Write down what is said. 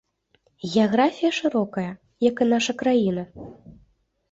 Геаграфія шырокая, як і наша краіна.